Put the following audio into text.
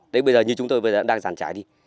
đấy bây giờ như chúng tôi bây giờ đang giàn trái đi